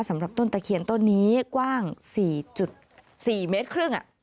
สำหรับต้นตะเคียนต้นนี้กว้าง๔๔เมตรครึ่ง